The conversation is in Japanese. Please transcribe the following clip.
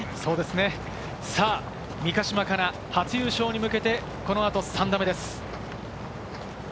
三ヶ島かな、初優勝に向けてこの後３打目です。